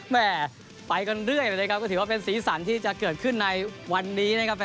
แม่ไปกันเรื่อยเลยนะครับก็ถือว่าเป็นสีสันที่จะเกิดขึ้นในวันนี้นะครับ